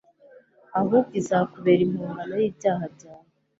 ahubwo izakubera impongano y'ibyaha byawe